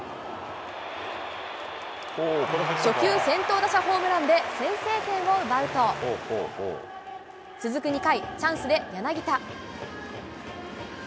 初球先頭打者ホームランで先制点を奪うと、続く２回、チャンスで柳田。